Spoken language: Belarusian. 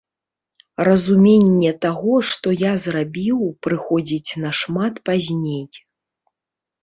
Разуменне таго, што я зрабіў, прыходзіць нашмат пазней.